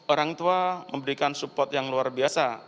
orang tua memberikan support yang luar biasa